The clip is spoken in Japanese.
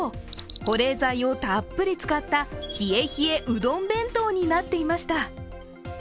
保冷剤をたっぷり使った、冷え冷えうどん弁当になっていました。